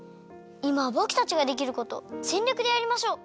いまはぼくたちができることをぜんりょくでやりましょう！